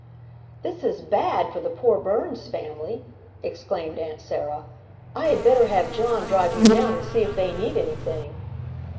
"That is bad for the poor Burns family!" exclaimed Aunt Sarah. "I had better have John drive me down and see if they need anything."